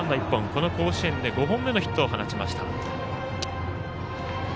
この甲子園で５本目のヒットを放ちました。